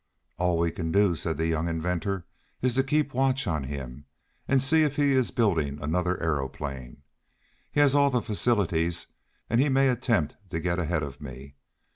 "All we can do," said the young inventor, "is to keep watch on him, and see if he is building another aeroplane. He has all the facilities, and he may attempt to get ahead of me.